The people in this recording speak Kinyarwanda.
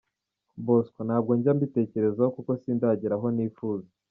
Bosco: Ntabwo njya mbitekerezaho kuko sindagera aho nifuza.